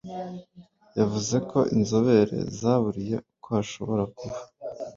Yavuze ko inzobere zaburiye ko hashobora kuba "